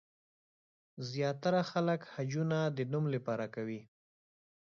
زیاتره خلک حجونه د نوم لپاره کوي.